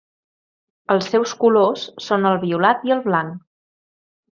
Els seus colors són el violat i el blanc.